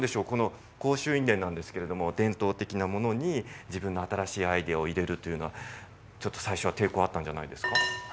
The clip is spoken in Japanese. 甲州印伝なんですけれども伝統的なものに自分の新しいアイデアを入れるというのはちょっと最初は抵抗があったんじゃないですか。